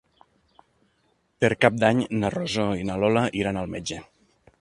Per Cap d'Any na Rosó i na Lola iran al metge.